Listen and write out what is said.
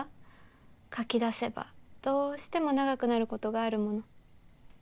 書き出せばどうしても長くなることがあるもの。